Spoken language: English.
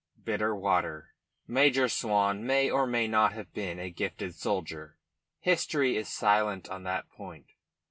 BITTER WATER Major Swan may or may not have been a gifted soldier. History is silent on the point.